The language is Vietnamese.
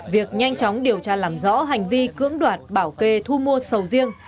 việc nhanh chóng điều tra làm rõ hành vi cưỡng đoạt bảo kê thu mua sầu riêng